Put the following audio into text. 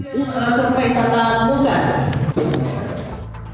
survei kata bukan